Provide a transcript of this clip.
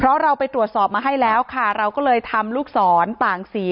เพราะเราไปตรวจสอบมาให้แล้วค่ะเราก็เลยทำลูกศรต่างสี